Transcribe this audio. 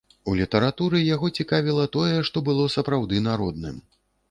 У літаратуры яго цікавіла тое, што было сапраўды народным.